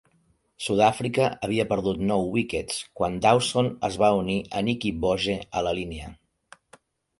Sud-àfrica havia perdut nou wickets quan Dawson es va unir a Nicky Boje a la línia.